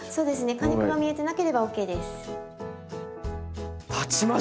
果肉が見えてなければＯＫです。